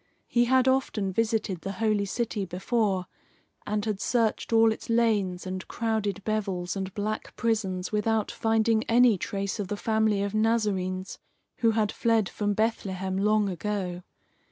He had often visited the holy city before, and had searched all its lanes and crowded bevels and black prisons without finding any trace of the family of Nazarenes who had fled from Bethlehem long ago.